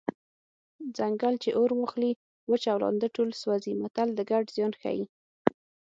ځنګل چې اور واخلي وچ او لانده ټول سوځي متل د ګډ زیان ښيي